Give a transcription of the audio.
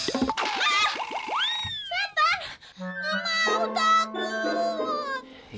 ah setan nggak mau takut